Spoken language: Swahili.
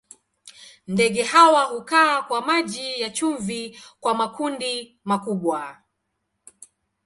Ndege hawa hukaa kwa maji ya chumvi kwa makundi makubwa.